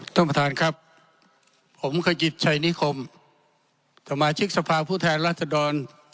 ท่านประธานครับผมขยิตชัยนิคมสมาชิกสภาพผู้แทนรัศดร